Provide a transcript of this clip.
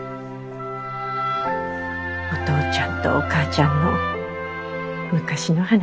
お父ちゃんとお母ちゃんの昔の話。